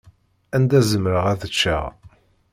Anda zemreɣ ad ččeɣ.